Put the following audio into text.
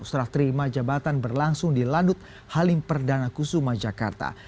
serah terima jabatan berlangsung di lanut halim perdana kusuma jakarta